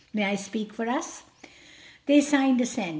May I speak for us?" They signed assent.